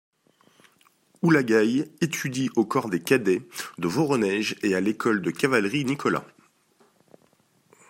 Oulagaï étudie au corps des cadets de Voronèje et à l’école de cavalerie Nicolas.